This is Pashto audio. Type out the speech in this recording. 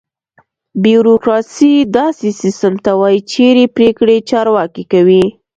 بیوروکراسي: داسې سیستم ته وایي چېرې پرېکړې چارواکي کوي.